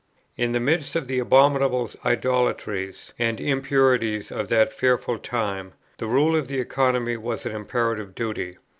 In the midst of the abominable idolatries and impurities of that fearful time, the Rule of the Economy was an imperative duty.